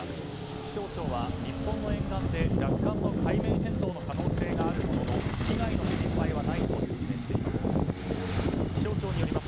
気象庁は日本の沿岸で若干の海面変動の可能性があるものの被害の心配はないと説明しています。